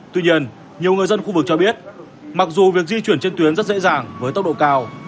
tuy nhiên nhiều người dân khu vực cho biết mặc dù việc di chuyển trên tuyến rất dễ dàng với tốc độ cao